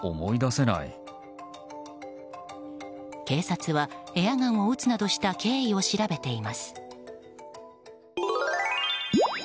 警察はエアガンを撃つなどした経緯を調べています。